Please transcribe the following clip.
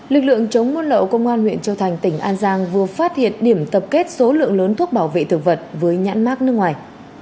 lực lượng chống buôn lậu công an huyện châu thành tỉnh an giang vừa phát hiện điểm tập kết số lượng lớn thuốc bảo vệ thực vật với nhãn mát nước ngoài